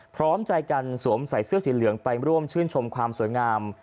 พร้อมใจกันสวมใส่เสื้อสีเหลืองไปร่วมชื่นชมความสวยงาม